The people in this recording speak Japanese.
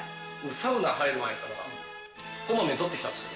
サウナ入る前から、こまめにとってきたんですよ。